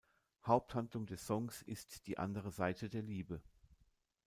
Haupthandlung des Songs ist die andere Seite der Liebe.